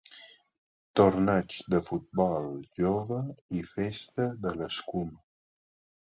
Torneig de futbol jove i festa de l'escuma.